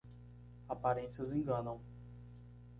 Aparências enganam.